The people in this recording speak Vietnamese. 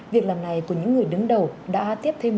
việc làm này của những người đứng đầu đã tiếp thêm